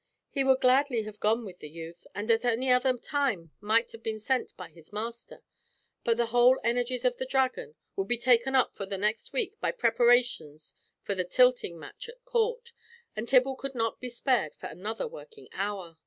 He would gladly have gone with the youth, and at any other time might have been sent by his master, but the whole energies of the Dragon would be taken up for the next week by preparations for the tilting match at court, and Tibble could not be spared for another working hour.